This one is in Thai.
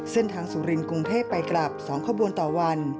เส้นทางสุรินทร์กรุงเทพฯไปกลับ๒ขบวนต่อวัน